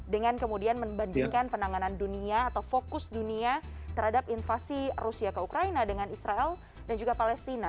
dengan kemudian membandingkan penanganan dunia atau fokus dunia terhadap invasi rusia ke ukraina dengan israel dan juga palestina